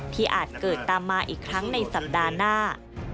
อาจเกิดตามมาอีกครั้งในสัปดาห์หน้า